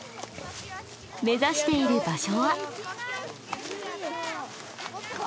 目指している場所は。